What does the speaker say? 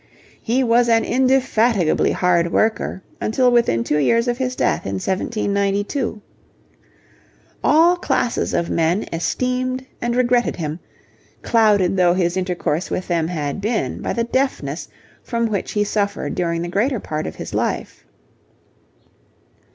He was an indefatigably hard worker until within two years of his death in 1792. All classes of men esteemed and regretted him, clouded though his intercourse with them had been by the deafness from which he suffered during the greater part of his life.